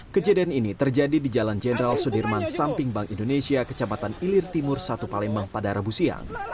kejadian ini terjadi di jalan jenderal sudirman samping bank indonesia kecamatan ilir timur satu palembang pada rabu siang